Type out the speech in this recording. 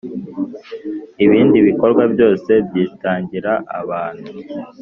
ibindi bikorwa byose byitangira abantu